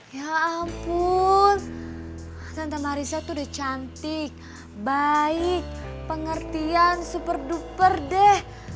ya ampun santa marisa tuh udah cantik baik pengertian super duper deh